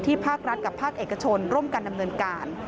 ภาครัฐกับภาคเอกชนร่วมกันดำเนินการ